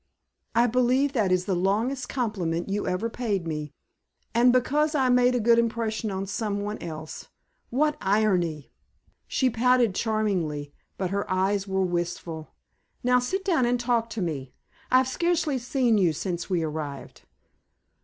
"I believe that is the longest compliment you ever paid me and because I made a good impression on some one else. What irony!" She pouted charmingly, but her eyes were wistful. "Now sit down and talk to me. I've scarcely seen you since we arrived."